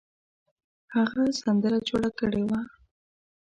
هغه سندره جوړه کړې وه.